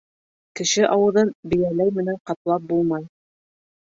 Кеше ауыҙын бейәләй менән ҡаплап булмай.